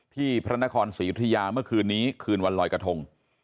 ที่พระนครศรีธรุษฎร์ทียาว่าคืนนี้คืนวันลอยกระทง